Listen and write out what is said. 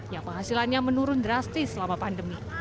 yang penghasilannya menurun drastis selama pandemi